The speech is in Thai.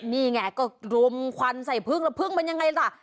นี่ไงก็รุมควันใส่พึ่งแล้วพึ่งมันยังไงล่ะ